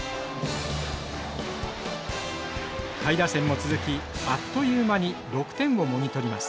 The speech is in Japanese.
下位打線も続きあっという間に６点をもぎ取ります。